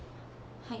はい。